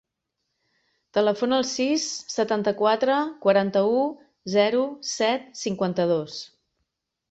Telefona al sis, setanta-quatre, quaranta-u, zero, set, cinquanta-dos.